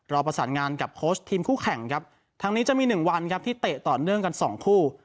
ประสานงานกับโค้ชทีมคู่แข่งครับทางนี้จะมีหนึ่งวันครับที่เตะต่อเนื่องกันสองคู่